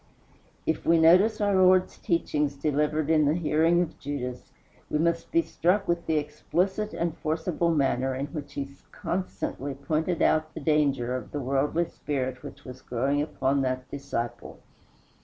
If we notice our Lord's teachings delivered in the hearing of Judas, we must be struck with the explicit and forcible manner in which he constantly pointed out the danger of the worldly spirit which was growing upon that disciple.